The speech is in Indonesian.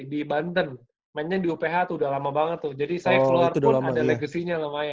di banten mainnya di uph tuh udah lama banget tuh jadi saya keluar pun ada legacy nya